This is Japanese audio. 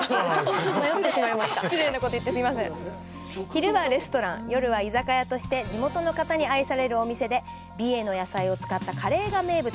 昼はレストラン、夜は居酒屋として地元の方に愛されるお店で、美瑛の野菜を使ったカレーが名物。